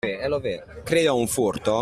Credi a un furto?